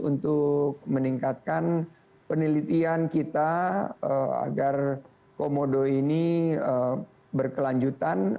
untuk meningkatkan penelitian kita agar komodo ini berkelanjutan